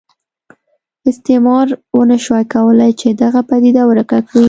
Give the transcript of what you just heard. استعمار ونه شوای کولای چې دغه پدیده ورکه کړي.